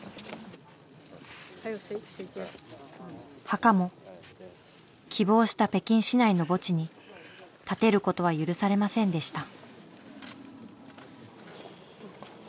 墓も希望した北京市内の墓地に建てることは許されませんでした。